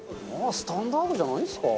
スタンダードじゃないんですか？